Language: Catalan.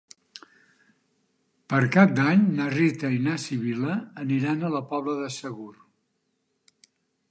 Per Cap d'Any na Rita i na Sibil·la aniran a la Pobla de Segur.